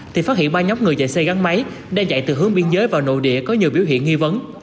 thì phát hiện ba nhóm người chạy xe gắn máy đang chạy từ hướng biên giới vào nội địa có nhiều biểu hiện nghi vấn